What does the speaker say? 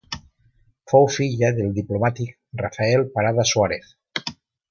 Fou filla del diplomàtic Rafael Parada Suárez.